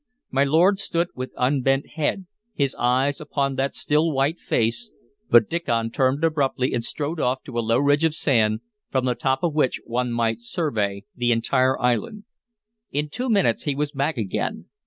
My lord stood with unbent head, his eyes upon that still white face, but Diccon turned abruptly and strode off to a low ridge of sand, from the top of which one might survey the entire island. In two minutes he was back again.